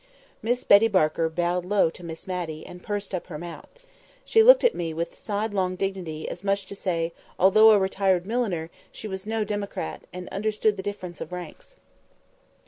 Miss Betty Barker bowed low to Miss Matty, and pursed up her mouth. She looked at me with sidelong dignity, as much as to say, although a retired milliner, she was no democrat, and understood the difference of ranks.